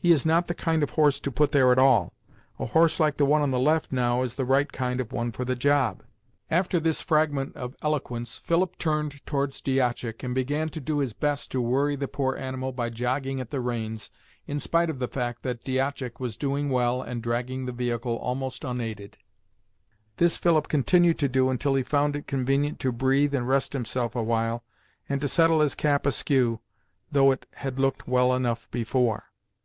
"He is not the kind of horse to put there at all. A horse like the one on the left now is the right kind of one for the job." After this fragment of eloquence, Philip turned towards Diashak and began to do his best to worry the poor animal by jogging at the reins, in spite of the fact that Diashak was doing well and dragging the vehicle almost unaided. This Philip continued to do until he found it convenient to breathe and rest himself awhile and to settle his cap askew, though it had looked well enough before.